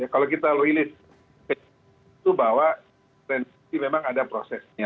kalau kita loilis itu bahwa di komisi sembilan memang ada prosesnya